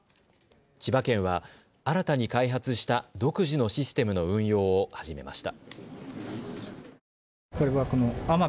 千葉県は、新たに開発した独自のシステムの運用を始めました。